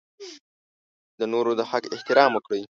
د نورو د حق احترام وکړئ.